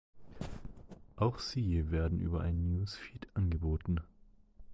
Auch sie werden über einen Newsfeed angeboten.